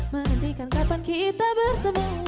menentikan kapan kita bertemu